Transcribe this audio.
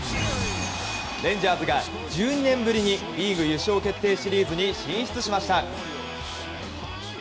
レンジャーズが、１２年ぶりにリーグ優勝決定シリーズに進出しました。